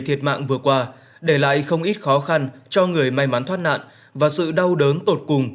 thiệt mạng vừa qua để lại không ít khó khăn cho người may mắn thoát nạn và sự đau đớn tột cùng